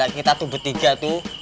kita tuh bertiga tuh